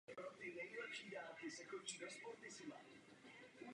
Dva obrazy ze zmíněného cyklu náleží do sbírek Muzea města Brna.